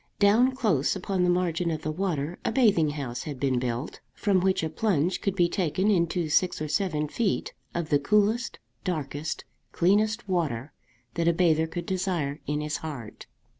Down close upon the margin of the water a bathing house had been built, from which a plunge could be taken into six or seven feet of the coolest, darkest, cleanest water that a bather could desire in his heart.